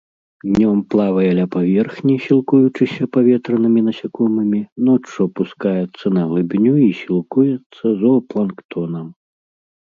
Днём плавае ля паверхні, сілкуючыся паветранымі насякомымі, ноччу апускаецца на глыбіню і сілкуецца зоапланктонам.